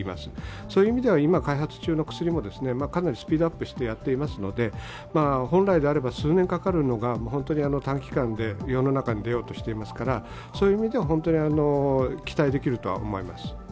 そういう意味では今開発中の薬についてもかなりスピードアップしてやってますので本来であれば数年かかるのが短期間で世の中に出ようとしていますからそういう意味では本当に期待できると思います。